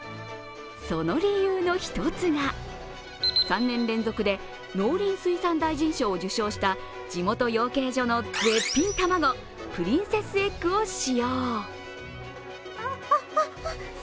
その理由の一つが３年連続で農林水産大臣賞を受賞した地元養鶏場の卵、ぷりんセス・エッグを使用。